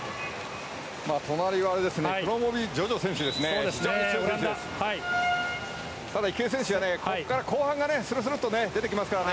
隣はクロモビジョジョ選手ですね。